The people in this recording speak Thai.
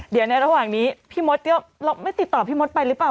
เดี๋ยวในระหว่างนี้พี่มดก็ไม่ติดต่อพี่มดไปหรือเปล่า